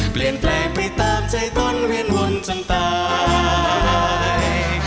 เปลี่ยนแปลงไปตามใจต้นเวียนวนจนตาย